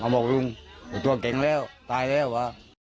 บอกลุงตัวเคร็งแล้วตายแล้ว